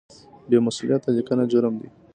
بې مسؤلیته لیکنه جرم دی.